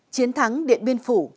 chiến thắng điện biên phủ